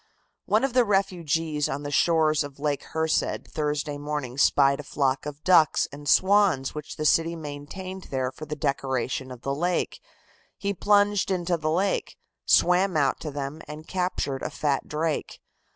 One of the refugees on the shores of Lake Herced Thursday morning spied a flock of ducks and swans which the city maintained there for the decoration of the lake. He plunged into the lake, swam out to them and captured a fat drake.